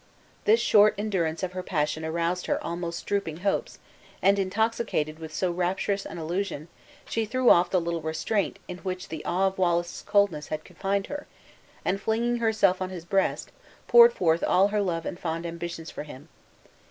This short endurance of her passion aroused her almost drooping hopes, and intoxicated with so rapturous an illusion, she threw off the little restraint in which the awe of Wallace's coldness had confined her, and flinging herself on his breast, poured forth all her love and fond ambitions for him.